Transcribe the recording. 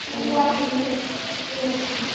塞多费塔是葡萄牙波尔图区的一个堂区。